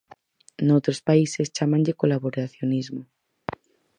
Noutros países chámanlle colaboracionismo.